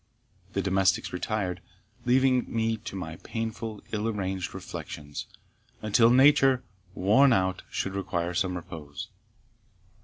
The domestics retired, leaving me to my painful and ill arranged reflections, until nature, worn out, should require some repose.